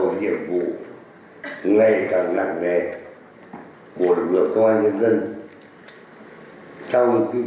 nhiệm vụ xây dựng và bảo vệ an ninh quốc gia